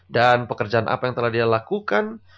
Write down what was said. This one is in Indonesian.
dan pekerjaan apa yang telah dia lakukan